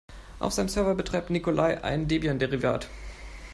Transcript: Auf seinem Server betreibt Nikolai ein Debian-Derivat.